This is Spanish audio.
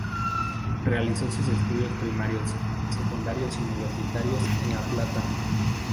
Realizó sus estudios primarios, secundarios y universitarios en La Plata.